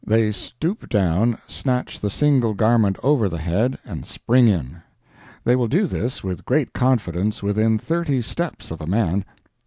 They stoop down snatch the single garment over the head, and spring in. They will do this with great confidence within thirty steps of a man.